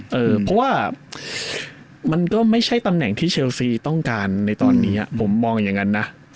เพราะว่ามันก็ไม่ใช่ตำแหน่งที่เชลซีต้องการในตอนนี้ผมมองอย่างนั้นนะ